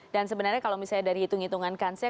dan sebenarnya kalau misalnya dari hitung hitungan kanser